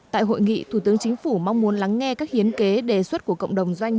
tại hội nghị thủ tướng chính phủ mong muốn lắng nghe các hiến kế đề xuất của cộng đồng doanh